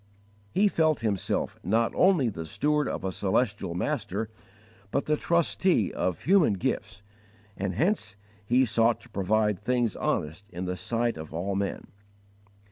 He felt himself not only the steward of a celestial Master, but the trustee of human gifts, and hence he sought to "provide things honest in the sight of all men."